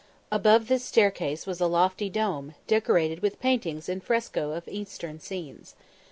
Above this staircase was a lofty dome, decorated with paintings in fresco of eastern scenes.